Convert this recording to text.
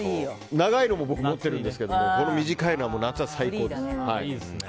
長いのも僕持ってるんですけどこの短いのは、夏は最高です。